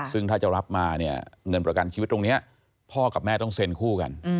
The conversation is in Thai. ซึ่งถ้าจะรับมาเนี่ยเงินประกันชีวิตตรงนี้พ่อกับแม่ต้องเซ็นคู่กัน